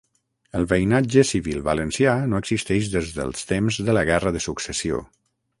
El veïnatge civil valencià no existeix des dels temps de la guerra de successió.